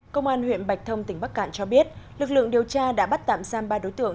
công an huyện bạch thông tỉnh bắc cạn cho biết lực lượng điều tra đã bắt tạm giam ba đối tượng